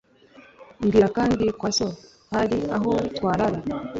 mbwira kandi kwa so hari aho twarara